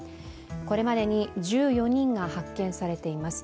これまでに１４人が発見されています。